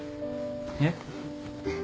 えっ？